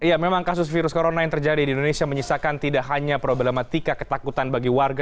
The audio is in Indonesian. ya memang kasus virus corona yang terjadi di indonesia menyisakan tidak hanya problematika ketakutan bagi warga